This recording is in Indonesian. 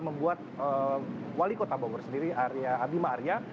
membuat wali kota bogor sendiri arya bima arya